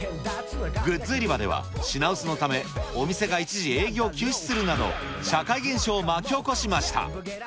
グッズ売り場では品薄のため、お店が一時営業を休止するなど、社会現象を巻き起こしました。